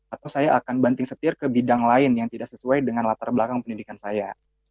atau saya akan banting setir ke bidang lain yang tidak sesuai dengan latar belakang pendidikan saya